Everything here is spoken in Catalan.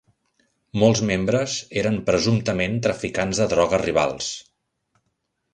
Molts membres eren presumptament traficants de droga rivals.